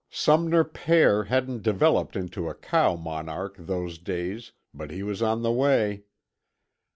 Sumner here hadn't developed into a cow monarch those days, but he was on the way.